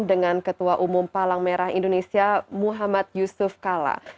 dengan ketua umum palang merah indonesia muhammad yusuf kala